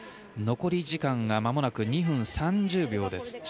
残り時間がまもなく２分３０秒です。